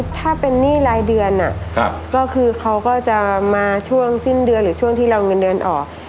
ถ้าเป็นหนี้รายเดือนก็คือเขาก็จะมาช่วงสิ้นเดือนหรือช่วงที่เราเงินเดือนออก